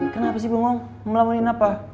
kenapa sih bengong melamunin apa